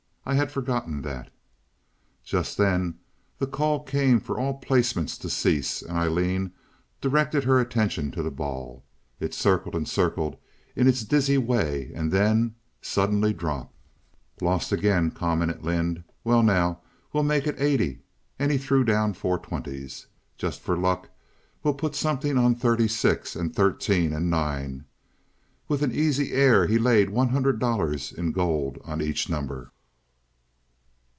I had forgotten that." Just then the call came for all placements to cease, and Aileen directed her attention to the ball. It circled and circled in its dizzy way and then suddenly dropped. "Lost again," commented Lynde. "Well, now we'll make it eighty," and he threw down four twenties. "Just for luck we'll put something on thirty six, and thirteen, and nine." With an easy air he laid one hundred dollars in gold on each number.